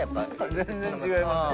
全然違いますよ。